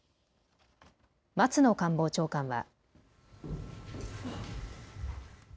松野官房長官は。